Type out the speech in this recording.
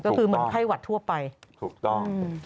ก็คือเหมือนไข้หวัดทั่วไปถูกต้อง